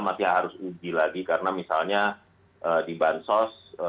masih harus uji lagi karena misalnya di bansos